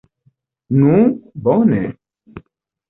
Nu, bone!